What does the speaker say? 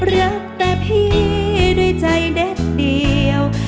รักแต่พี่ด้วยใจเด็ดเดียว